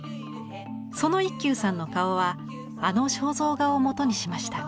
その一休さんの顔はあの肖像画をもとにしました。